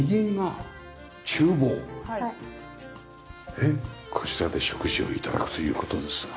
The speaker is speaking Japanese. でこちらで食事を頂くという事ですが。